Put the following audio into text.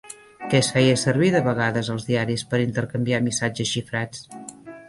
Què es feia servir de vegades als diaris per intercanviar missatges xifrats?